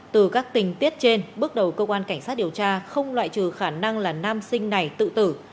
từ các tình tiết trên bước đầu cơ quan cảnh sát điều tra không loại trừ khả năng là nam sinh này tự tử